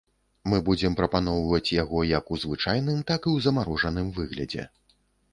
Мы будзем прапаноўваць яго як у звычайным, так і ў замарожаным выглядзе.